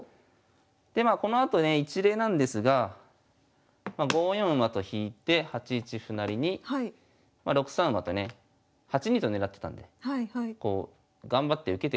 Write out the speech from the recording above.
でまあこのあとね一例なんですが５四馬と引いて８一歩成に６三馬とね８二と金狙ってたんでこう頑張って受けてくるんですが。